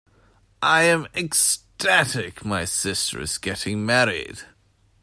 I am ecstatic my sister is getting married!.